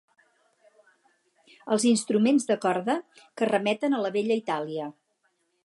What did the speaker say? Els instruments de corda que remeten a la vella Itàlia.